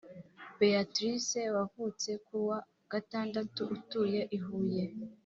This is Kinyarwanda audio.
Beatrice wavutse kuwa gatandatu utuye I huye